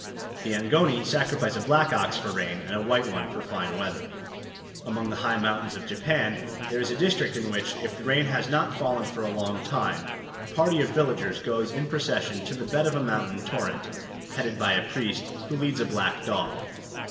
The Angoni sacrifice a black ox for rain and a white one for fine weather. Among the high mountains of Japan there is a district in which, if rain has not fallen for a long time, a party of villagers goes in procession to the bed of a mountain torrent, headed by a priest, who leads a black dog.